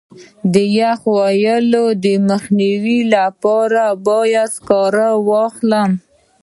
د یخ وهلو مخنیوي لپاره باید سکاره واخلم.